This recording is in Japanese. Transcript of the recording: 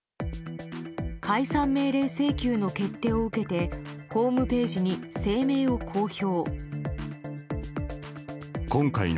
解散命令請求の決定を受けてホームページに声明を公表。